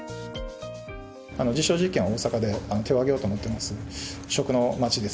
実証実験は大阪で手を挙げようと思ってます。